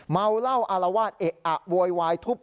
เมาเหล้าอลวาดเอกอักโวยวายทุบ